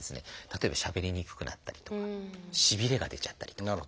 例えばしゃべりにくくなったりとかしびれが出ちゃったりとか。